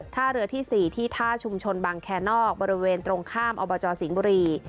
ท่าเรือที่๔ที่ท่าชุมชนบางแคนอกบริเวณตรงข้ามอบจสิงห์บุรี